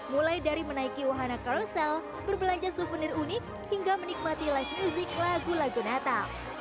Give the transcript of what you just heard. mulai dari menaiki wahana karussel berbelanja souvenir unik hingga menikmati live music lagu lagu natal